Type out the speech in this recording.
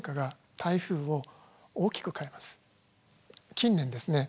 近年ですね